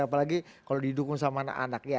apalagi kalau didukung sama anak anaknya